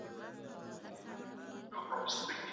هر پړاو خپلي ځانګړتیاوې لري.